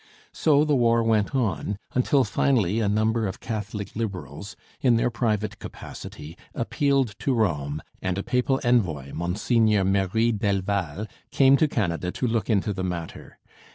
So the war went on, until finally a number of Catholic Liberals, in their private capacity, appealed to Rome, and a papal envoy, Mgr Merry del Val, came to Canada to look into the matter.